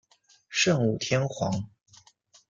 圣武天皇。